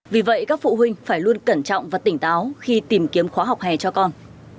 vì vậy các phụ huynh phải luôn cẩn trọng và tỉnh táo khi tìm kiếm khóa học hè cho con